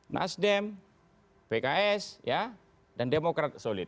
nasdem pks dan demokrat solid